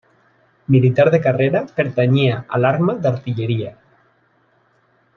Militar de carrera, pertanyia a l'arma d'artilleria.